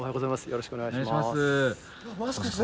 よろしくお願いします。